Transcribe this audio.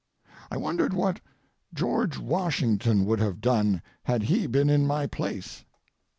I wondered what George Washington would have done had he been in my place.